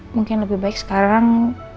mungkin lebih baik sekarang